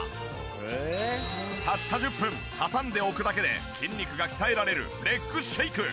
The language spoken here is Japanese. たった１０分挟んでおくだけで筋肉が鍛えられるレッグシェイク。